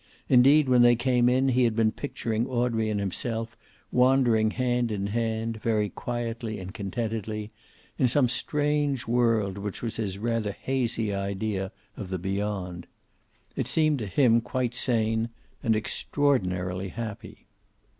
Indeed, when they came in he had been picturing Audrey and himself, wandering hand in hand, very quietly and contentedly, in some strange world which was his rather hazy idea of the Beyond. It seemed to him quite sane and extraordinarily happy.